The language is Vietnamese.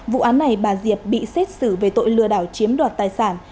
vụ án này bà diệp bị xét xử về tội lừa đảo chiếm đoạt tài sản